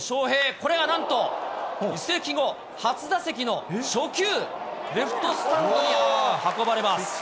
これがなんと移籍後初打席の初球、レフトスタンドに運ばれます。